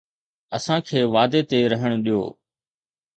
اسان کي وعدي تي رهڻ ڏيو